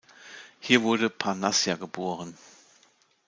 Hier wurde „Parnassia“ geboren.